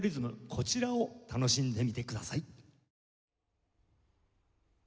こちらを楽しんでみてください。